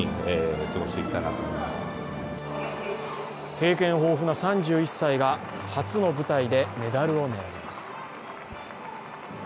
経験豊富な３１歳が初の舞台でメダルを狙います。